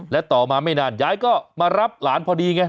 และต่อมาไม่นานยายก็มารับหลานพอดีไง